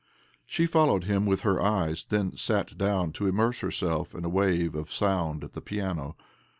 She followed him with her eyes — then sat down to immerse herself in a wave of sound at the piano.